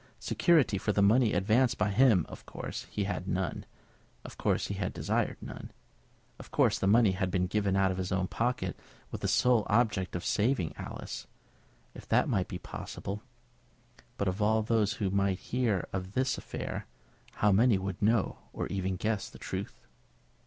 Security for the money advanced by him, of course, he had none; of course he had desired none; of course the money had been given out of his own pocket with the sole object of saving Alice, if that might be possible; but of all those who might hear of this affair, how many would know or even guess the truth?